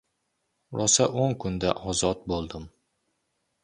Rosa o‘n kunda ozod bo‘ldim.